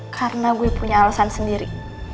karena gue punya alasan sendiri